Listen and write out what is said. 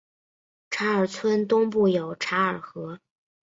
查尔村东部有嚓尔河。